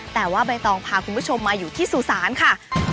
แต่ว่าใบตองพาคุณผู้ชมมาอยู่ที่สุสานค่ะ